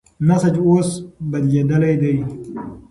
نسج اوس بدلېدلی دی.